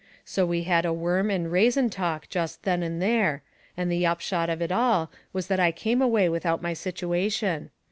So we had a worm and raisin talk just then and there, and the upshot of it all was that I came away without my situation.